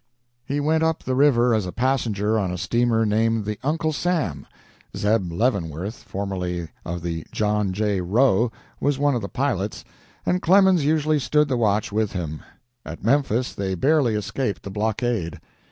He went up the river as a passenger on a steamer named the "Uncle Sam." Zeb Leavenworth, formerly of the "John J. Roe," was one of the pilots, and Clemens usually stood the watch with him. At Memphis they barely escaped the blockade.